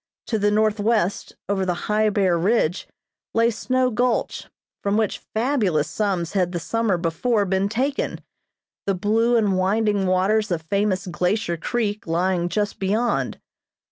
To the northwest, over the high, bare ridge, lay Snow Gulch, from which fabulous sums had the summer before been taken, the blue and winding waters of famous Glacier Creek lying just beyond.